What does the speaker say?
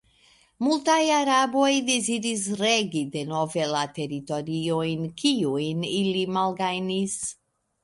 Multaj araboj deziris regi denove la teritoriojn, kiujn ili malgajnis.